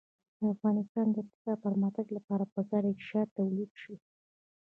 د افغانستان د اقتصادي پرمختګ لپاره پکار ده چې شات تولید شي.